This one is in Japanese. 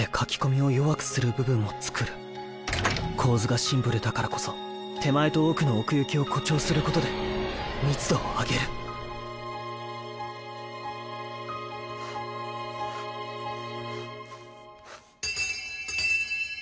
構図がシンプルだからこそ手前と奥の奥行きを誇張することでカランカランカラン